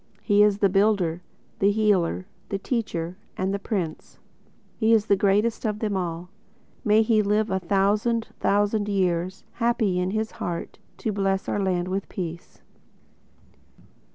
He is the Builder, the Healer, the Teacher and the Prince; He is the greatest of them all. May he live a thousand thousand years, Happy in his heart, To bless our land with Peace.